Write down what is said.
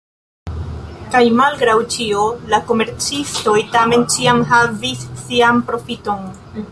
Kaj, malgraŭ ĉio, la komercistoj tamen ĉiam havis sian profiton!